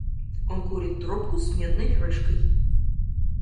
Он курит трубку с медной крышкой.